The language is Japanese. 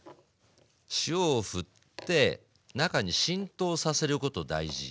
塩をふって中に浸透させること大事。